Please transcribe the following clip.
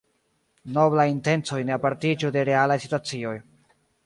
Noblaj intencoj ne apartiĝu de realaj situacioj.